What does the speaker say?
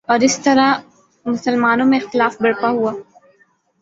اور اس طرح مسلمانوں میں اختلاف برپا ہوا